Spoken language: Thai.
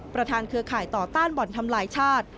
เครือข่ายต่อต้านบ่อนทำลายชาติ